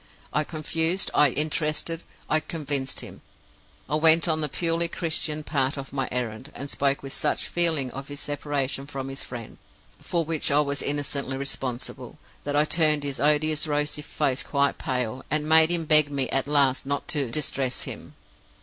I confused, I interested, I convinced him. I went on to the purely Christian part of my errand, and spoke with such feeling of his separation from his friend, for which I was innocently responsible, that I turned his odious rosy face quite pale, and made him beg me at last not to distress him.